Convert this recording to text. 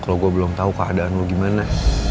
kalau gue belum tau keadaan lo gimana